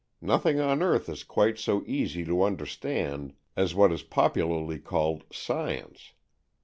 Nothing on earth is quite so easy to understand as what is popu larly called Science.